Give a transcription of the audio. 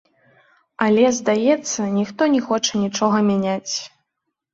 Але, здаецца, ніхто не хоча нічога мяняць.